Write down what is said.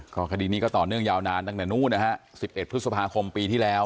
ก็คดีนี้ก็ต่อเนื่องยาวนานตั้งแต่นู้นนะฮะ๑๑พฤษภาคมปีที่แล้ว